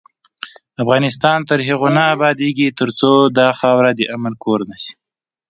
افغانستان تر هغو نه ابادیږي، ترڅو دا خاوره د امن کور نشي.